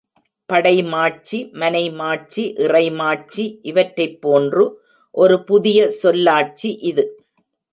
படைமாட்சி மனைமாட்சி, இறைமாட்சி இவற்றைப்போன்று ஒரு புதிய சொல்லாட்சி இது.